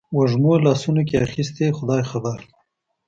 وږمو لاسونو کې اخیستي خدای خبر